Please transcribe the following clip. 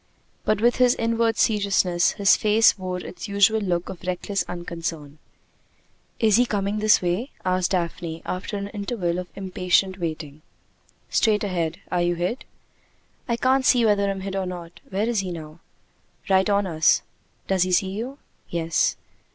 But with his inward seriousness, his face wore its usual look of reckless unconcern. "Is he coming this way?" asked Daphne, after an interval of impatient waiting. "Straight ahead. Are you hid?" "I can't see whether I'm hid or not. Where is he now?" "Right on us." "Does he see you?" "Yes."